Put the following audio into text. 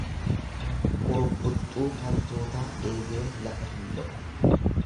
Qurubbuxxuu hantuutaa eegeen lafa hin ga'u.